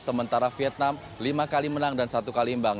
sementara vietnam lima kali menang dan satu kali imbang